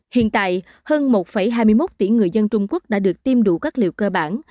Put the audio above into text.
hiện tại hơn một hai mươi một tỷ người dân trung quốc đã được tiêm đủ các liệu cơ bản